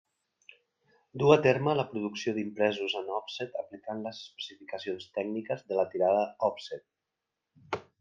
Duu a terme la producció d'impresos en òfset, aplicant les especificacions tècniques de la tirada òfset.